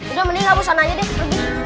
udah mending lah bosananya deh